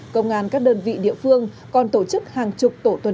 công an các đơn vị địa phương còn tổ chức hàng chục tổ tuần tra